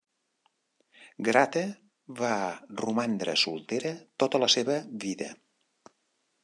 Grata va romandre soltera tota la seva vida.